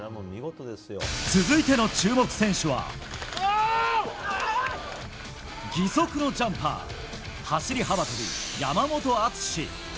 続いての注目選手は義足のジャンパー走り幅跳び、山本篤。